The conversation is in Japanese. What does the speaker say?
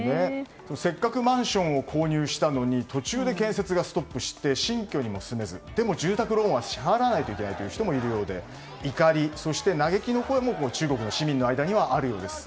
せっかくマンションの購入をしたのに途中で建設がストップして新居にも住めずでも、住宅ローンは支払わないといけないという声もあり怒り、そして嘆きの声も中国の市民の間ではあるようです。